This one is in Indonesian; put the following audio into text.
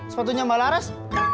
sepatunya mbak laras